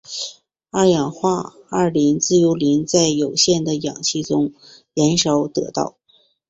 三氧化二磷由白磷在有限的氧气中燃烧得到。